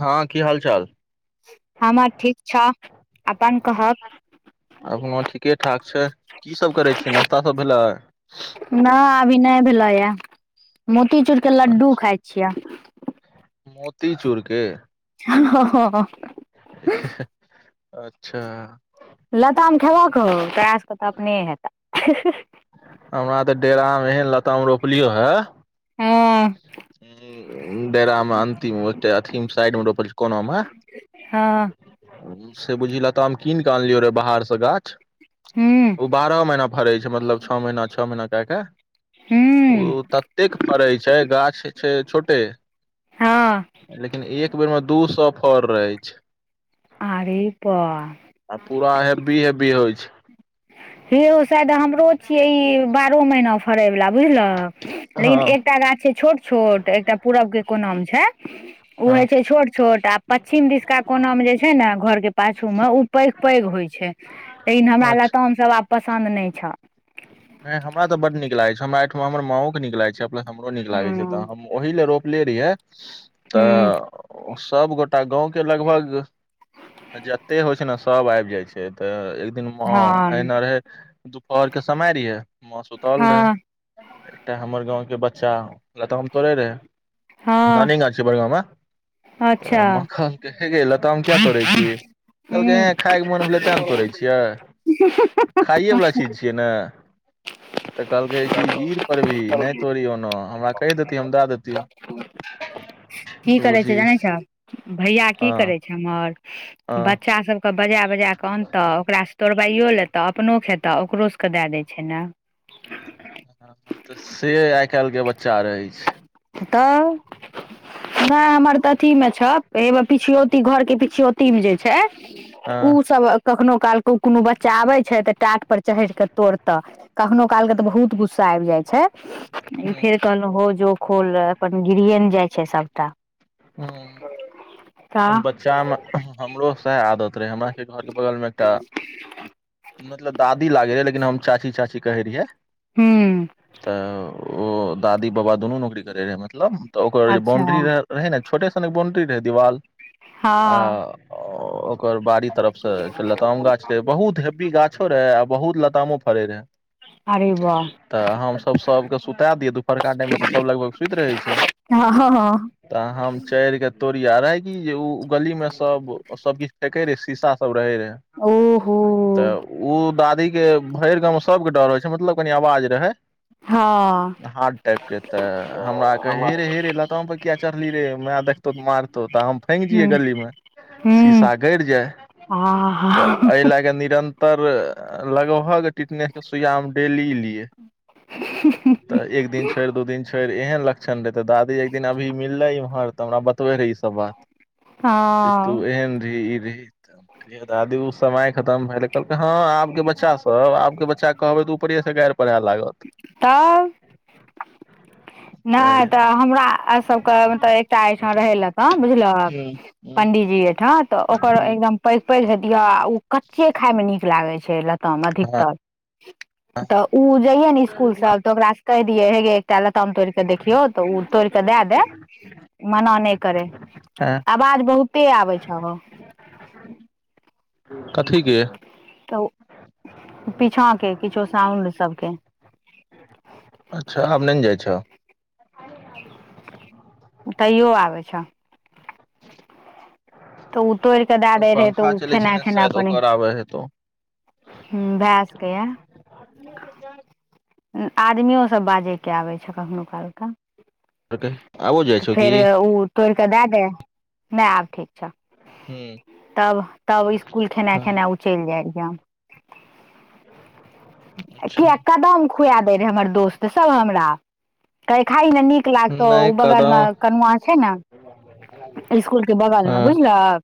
हँ की हाल चाल? हमरा ठीक छअ अपन कहअ। हमो ठीके ठाक छै कीसब करै छी नाश्ता सब भेलै। ना अभी नयि भैलेयै मोतीचूरके लड्डू खाइ छिय। मोती चूरके ह-ह-ह -ह। हैं हैं अच्छा लताम खेबक हो, तोरा सबके त अपने हेतअ हैं हैं। हमरा त डेरा मे लताम रोपलियो ह हम्म डेरा में अंतिम ओ, अथि साइड मे रोपल छै कोना मे हँ से बुझि लताम हम कीन कऽ अनलियौ रहे बाहरसँ गाछ हूँ ओ बारह महीना फरै छै, मतलब छओ महीना छओ महीना कए क। ओ हूँ ततेक फड़ै छै गाछ छै छोटे। हँ लेकिन एक बेर मे दू सौ फर रहै छै। आड़े बा। आ पूरा हेबी हेबी होइ छै। हे हो शायद हमरो छियै ई बारहो महना फड़यवला बुझलअ हँ लेकिन एकटा गाछ छै छोट छोट एकटा पूरब के कोनामे छै। ओ हँ होइ छै छोट छोट आ पच्चछिमके दिशका कोना मे जे छै न घरके पाछू मे उ पैघ पैघ होइ छै लेकिन हमरा अच्छा लताम सब आब पसन्द नहि छ। नयि हमरा त बड नीक लागै छ, हमरा एहेठाम हमरा माँओे के नीक लागै छै, प्लस हमरो नीक हँ लागै छै त हम ओहि ले रोपले रहियै त हूँ ओ सबगोटा गाँवके लगभग जते होइ छै न सब आइब जाइ छै त एक दिन हां हँ एहिना रहे दुपहर के समय रहिये हम सुतल हँ रहै एकटा हमर गाँंव के बच्चा लताम तोर रहै हँ नानी गाछ छै बड़का मामाअ अच्छा मखान के जे ए, लताम किया तोड़ छी कहलकै हूँ ऐं खायके मोन भेलै तेँ न तोड़ै छियै, खाइएवला चीज छियै न। त कहलकै गिर-गिर परबे। नयि तोड़ीओ न, हमरा कहि देति हम द देतियौ। की करै छै बुझी जानै छ भैया की हँ करै छै हमर, हँ बच्चा सब के बजा-बजा क अनतअ ओकरासँ तोड़बाइयो लेत अपनो खेत ओकरो सबके दए दै छै न। हँ आइ काइल के बच्चा रहै छै। त। नयि हमर त अथी में छ, ए में पिछयौती घर के पिछयौती में जे छै उ हँ सब कखनो काल क कुनो बच्चा आबै छै तऽ टाट पर चहेर क तोड़त। कखनो काल क त बहुत गुस्सा आइब जाइ छै। फेर कहलहुँ हो जो खोल रहे, अपन गिरिएन जाइ छै सबटा। ह त। बच्चा मे हमरो सएह आदत रहै हमरा के घर के बगल में एकटा मतलब दादी लागे है लेकिन हम चाची-चाची कहे रहेरियै। हूँ तओ दादी-बाबा दुनू नौकरी करे रहै मतलब त ओकर जे अच्छा बाउण्ड्री र रहै न छोटे सनक बाउण्ड्री रहै दीवाल [inaudible] हँ आं अ-अ ओकर बाड़ी तरफ सं एकटा लताम गाछ रहै बहुत हे वी गाछो रहै आ बहुत लतामो फडै रहै। अरे वाह [inaudible] त हमसब सबके सुता दिअइ, दुपहरका टाइममे त सब लगभग सुति रहै छै। हं-हं-हं। त हम चढ़िके तोरिअइ आ रहै कि जे उ गलीमें सब, सब किछ फेकै रहै शीशा सब रहै रहै। ओहो त उ दादीके भरि गाँवमें सबके डर होइ छै मतलब कनी अवाज रहै। हँ [inaudible] हार्ड टाइपके त हमरा कहै हेरे-हेरे लताम पर किए चढ़लही रे, मै देखतौ त मारतौ त हम फांगि जैऐ हूँ गलीमे। हूँ शीशा गडि जाइ आहा त अइ ला क निरं तर लगभग टिटनेस के सुइया हम डेली लियै। [inaudible] त एक दिन छोड़ि, दू दिन छोरि एहन लक्षण रहै त दादी एक दिना अभी मिललै इम्हर त हमरा बतबै रहै ई सब बात [inaudible] जे तू हँ एहन रीही ई रीही। [inaudible] दादी उ समय खतम भेलै। कहलकै हं, आब के बच्चा सब, आब के बच्चाके कहबै त ऊपरे स गारि पढ़ै लागत। त अ। नै त तऽ हमरा आर सबके मतलब एकटा ऐठां रहै लताम बुझलहक पंडी त जी ऐठां त ओकर एकदम पैघ-पैघ हेतीअ आ उ कच्चे खाइमे नीक लागै छै ल ताम अधिकतर [inaudible] त उ जइऐ ने स्कूल स त ओकरा सं कैह दियै हे गे एकटा ल ताम तोरिक देखियौ त उ तोरिक दए दै, मना नै करै। ऐं आवाज बहुते आबै छ हौ। [inaudible] कथी के? [inaudible] पीछाँ के किछो साउंड सबके। अच्छा, आब नै न जाइ छौ? [inaudible] तैयो आबै छ। त उ तोरिक दा दै रहै त पंखा उ चलै छै ने खेना-खेना शायद पनी ओकर [inaudible] आबै हेतौ हुं भै सकैया। आदमियो सब बाजैके आबै छ कखनो काल क। [inaudible] आबो त जाइ छौ की फेर उ तोरि क दा दै। नै आब ठीक छ। हूँ [inaudible] तब, तब इस्कूल खेने हँ खेने उ चलि जाइ रहिअ। [inaudible] कीए अच्छा कदम खुया दै रहै हमर दोस्त सब हमरा, कहै खाही ने नीक लागतौ। नहि कदौ बगलमे कनुआ छै ने [inaudible] इसकुलके हँ बगलमे बुझलक?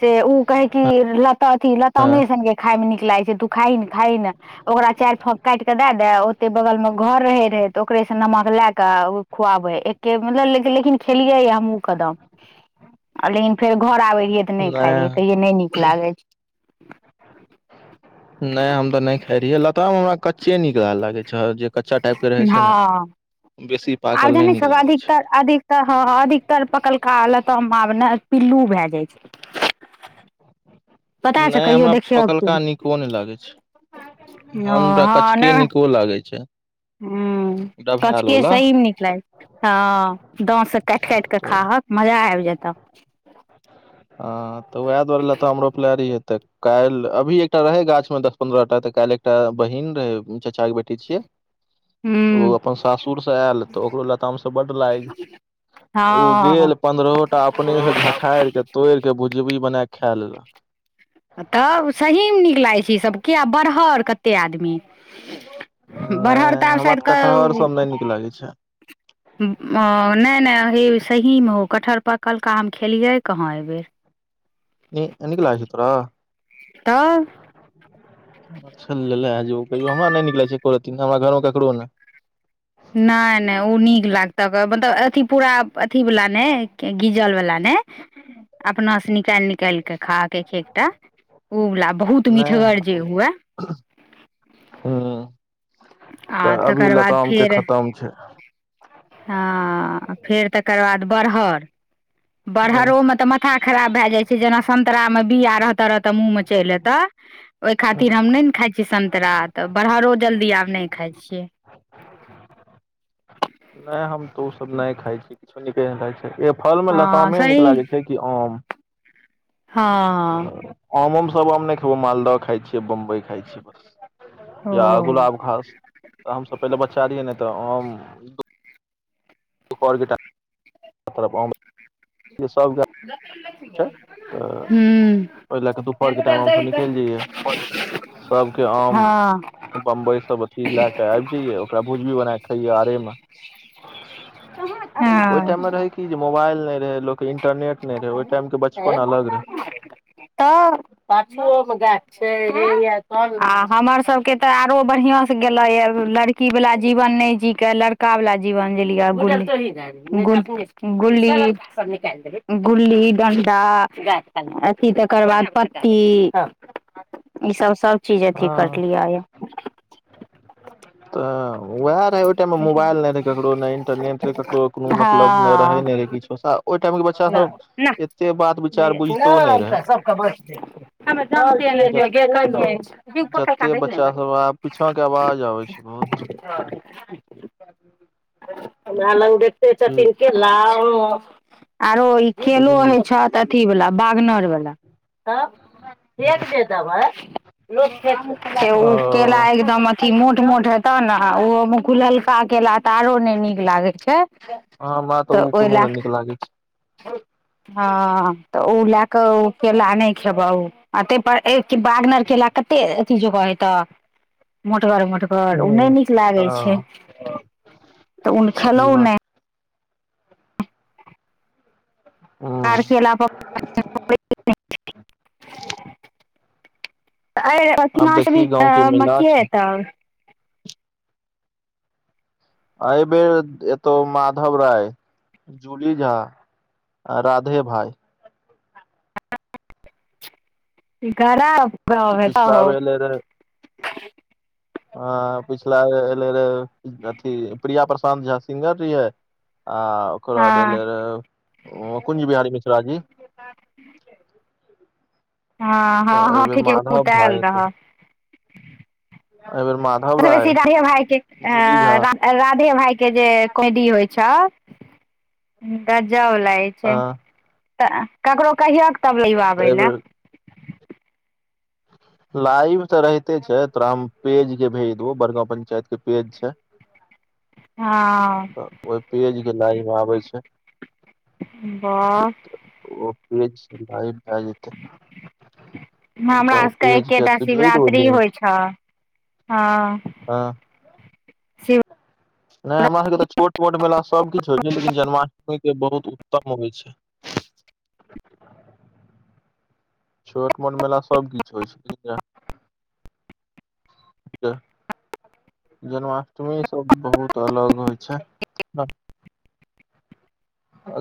से ऊ कहै की, लता अथी लतामे संगे खाइमे नीक लागै छै तू खाइ ने, खाइ ने। ओकरा चारि फांक काटि के दे दै ओतै बगल मे घरे रहै त ओकरेसं नमक लै क उ खुआबै। एके मे लेलकै लेकिन खेलियै या हमहुं कदम। ह आ लेकिन फेर घर आबै रहियै त नै खाइ रहियै, कहियै नै नीक लागै छै। [inaudible] नै हम त नै खाइ रहियै लताम हमरा कच्चे नीक ला लागै छ, जे कच्चा टाइपके रहै छै ने, [inaudible] बेसी पाकल नै नीक लागै छै। त हं अधिकतर पकलका लताम आब ने पिल्लू भै जाइ छै। [inaudible] पता [inaudible] छौ नै कहियो हमरा देखियौ तू पकलका नीको नै लागै छै। ओ हम त कचके नीको लागै छै। ह डभैल कचके वला सहीमे नीक लाग छै हँ दाँत से काटि काटि कऽ खाहक मजा आबि जतह ह तऽ उएह दुआरे लताम हमरोपलेहे रहियै तऽ काल्हि अभी एकटा रहै गाछमे दस पन्द्रह टा तऽ काल्हि एकटा बहिन रहै चच्चाके बेटी छियै हूँ ओ अपन सासुर से आयल तऽ ओकरो लताम से बड लागि ओ हँ गेल पन्द्रहोटा अपने से झखारि के तोड़ि के भुजबी बना क खाय लेलक तब सहीमे नीक लागै छै ईसभ के आ बरहर कते आदमी बरहर ता नहि आब हमरा सायद तऽ कटहर सब नहि क नीक लागै छै नहि नहि हे सहीमे हो कटहर पकलका हम खेलियै कहाँ एहिबेर न एनक ल आशत्ररा तब [unintelligible] कहियो हमरा नहि निक लागै छै एको रति हमरा घर मे ककरो नहि नहि नहि ओ नीक लागतक मतलब अथी पूरा अथी वला ने गीजल वला ने अपना से निकालि निकालि कऽ खाके एक एक टा ओ वला आ बहुत मीठगर जे हुए ह तऽ आ अभी तकर बाद लताम के फेर खतम छै हँ फेर तकर बाद बरहर हँ बरहरो में तऽ माथा खराब भए जाइ छै जेना संतरा मे बिया रह तरह त मुँह में चलि एतऽ ओहि हँ खातिर हम नहि ने खाइ सन्तरा तऽ बरहरो जल्दी आब नहि खाइ छियै नहि हम तऽ ओसभ नहि खाइ छीयै किछो नीके ने लागैत छै फल मे हँ लतमे नीक सही लागै छै की आम हँ आम उम सब हम नहि खेबो मालदह खाइ छियै बम्बई खाय छियै बस ओ या गुलाब घास तऽ हमसभ पहिले बच्चा रहियै नहि तऽ आम रके [inaudible] जे सब गा द [inaudible] ओहि लए हूँ कऽ दुपहरके टाइम हमसभ [unintelligible] निकलि जइयै डल त हँ बंबई सब अथी लए के आबि जइया ओकरा भुजबि भी बना के खाइया आरे त ओहि टाइममे हँ रहै कि जे मोबाइल नहि रहै लोक इंटरनेट नहि रहै ओ टाइम के बचपन अलग रहै तऽ पाछुओ के गाछ छै [unintelligible] आ हमर सबके तऽ आरो बढ़िआँसँ गेलै य लड़की वला जीवन नहि जी केँ लड़का वला जीवन जिलयै बुल [unintelligible] गु गुली [unintelligible] गुल्ली डंटा अथी तकर बाद पत्ती ई सब सब चीज अथी हँ करलियै य [inaudible] तऽ उएह रहै ओहि टाइम मे मोबाइल नै रहै ककरो नई इंटरनेट रहै ककरो कोनो मतलब नै रहै नहि हँ रहै किछ आ ओई टाइम के बच्चा नहि सब एते बात विचार बुझितो नहि रहए तऽ सबके बचतै, जते बच्चा [unintelligible] सब आब पीछा के आवाज आबै छै बहुत [inaudible] [inaudible] नालंदे के छथिन के लाल [unintelligible] आरो ओ ई केलो बुझली होइ छथ त अथीवला बागनर बला त फेेक दे देबै लोक खेतैइ, से ऊ केला ओ एकदम थी मोट मोट हेतो न, आ ओ मुहखुललका केेला त आरो ने नीक लागे छै। हमा तऽ ऊं ओहि कोनो लए नै कऽ नीक लागै छै। हँ तऽ उ लऽ कऽ ओ केला नय खेबऽ उ, तईपर एक बागनर केला कतेक अथी जकाँ हेतऽ? मोटगर मोटगर हूँ ओ नै नीक लागै छै। हँ तऽ उन खेलौ सही बात नै। और ह केला पड़ [inaudible] [inaudible] त आईए पटना आब से भी देखी अ गाँव के मेला मथिएऽ छै ऐतौ। अइ बेर ए-एतौ माधव राय। जूली झा, आ राधे भाई। सीकाबराब त पिछिला वेर एलेरै अऽ पिछला बेर एले रहे अथी प्रिया प्रशांत झा सिंगर रिए। आ ओकरा हँ देले रहे ओ कुंज बिहारी मिश्रा जी। तऽ हँ-हँ-हँ, एहिबेर ठीके ऊ माधव तऽ भाय ऐऽल रहैऽ। अइ बेर मा सबसे बेसी राधे भाई के, अऽ रा राधे भाइके जे कोमेडी होइ छौ, गजब लाइक छै अ तऽ ककरो कहियक तब तऽ मिलबाबै लैऽ। एहिबेर लाइव त रहिते छै, तोरा हम पेज के भेज देबौ, बड़काँ पंचायत के पेज छै। हँ। ओई पेज के लाइव आबै छै। बस त ओ पेज से लाइव भए जेतै। हमरा सबके एकेटा शिवरात्रि होइ लिंक छऽ, हँ। हँ। शिव नै हमरा सब के त छोट मोट मेला सब किछु होय छै, लेकिन जन्माष्टमी के बहुत उत्तम होय छै। छोट मोट मेला सबकिछ होइ छै, बुझलिए? ज-जन्माष्टमी सब बहुत अलग होइ छै।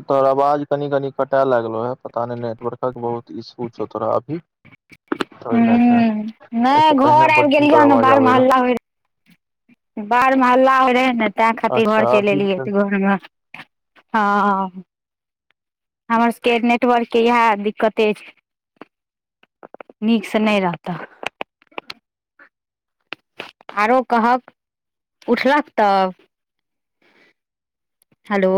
तोहर आवाज कनि कनि कटा लागलो हैऽ, पता नैय नेटवर्कक बहुत इशू छौ तोरा अभी। तई लैऽ कऽ, हूँ अई नहि सँ पहिने घर बड़ आबि सुन्दर गेलियै आवाज आबे रहय। बाढ़मे हल्ला होइत रहै ने तैँ खातिर घर अच्छा चलि अभी एयलियै तऽ घरमे हँऽ। हमर सबके नेटवर्क के इएह दिक्कते अछि। नीक स नैय रहतअ। आरो कहक, उठलक तब? हेलो।